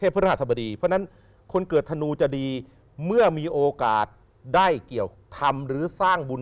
เพราะฉะนั้นคนเกิดธนูจะดีเมื่อมีโอกาสได้เกี่ยวทำหรือสร้างบุญ